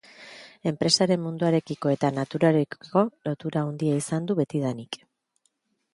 Enpresaren munduarekiko eta naturarekiko lotura handia izan du betidanik.